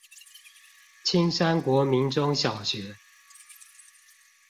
青山國民中小學